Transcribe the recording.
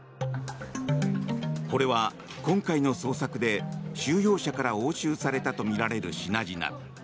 これは今回の捜索で収容者から押収されたとみられる品々。